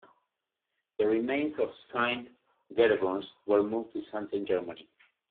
The remains of Saint Gerebernus were moved to Xanten, Germany.